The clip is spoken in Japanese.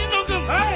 はい！